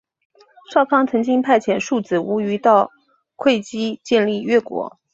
少康曾经派遣庶子无余到会稽建立越国。